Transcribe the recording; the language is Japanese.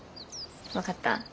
分かった？